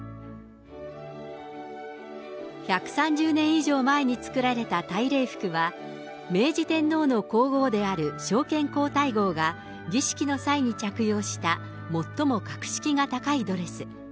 １３０年以上前に作られた大礼服は、明治天皇の皇后である昭憲皇太后が儀式の際に着用した最も格式が高いドレス。